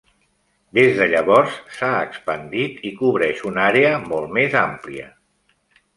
Des de llavors, s'ha expandit i cobreix una àrea molt més àmplia.